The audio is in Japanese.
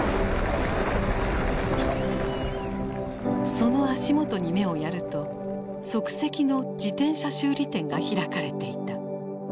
その足元に目をやると即席の自転車修理店が開かれていた。